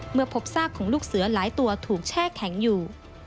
เมื่อพบซากของลูกเสือหลายตัวถูกแช่แข็งอยู่